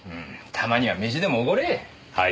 たまには飯でもおごれ。